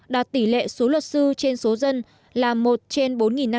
đạt tỷ lệ số luật sư trên số dân là một trên bốn năm trăm linh